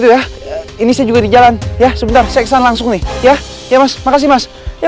ya ini saya juga di jalan ya sebentar seksan langsung nih ya mas makasih mas